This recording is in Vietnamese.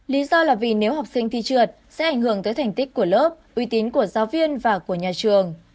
lý do là vì nếu học sinh thi trượt sẽ ảnh hưởng tới thành tích của lớp uy tín của giáo viên và của nhà trường